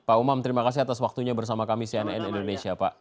pak umam terima kasih atas waktunya bersama kami cnn indonesia pak